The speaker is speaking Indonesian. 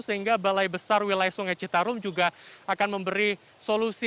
sehingga balai besar wilayah sungai citarum juga akan memberi solusi